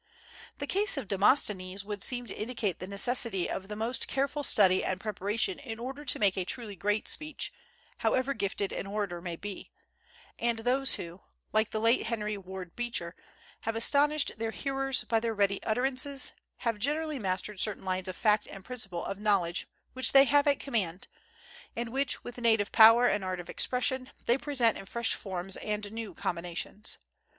The case of Demosthenes would seem to indicate the necessity of the most careful study and preparation in order to make a truly great speech, however gifted an orator may be; and those who, like the late Henry Ward Beecher, have astonished their hearers by their ready utterances have generally mastered certain lines of fact and principles of knowledge which they have at command, and which, with native power and art of expression, they present in fresh forms and new combinations.